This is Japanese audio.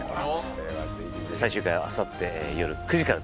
最終回はあさってよる９時からです。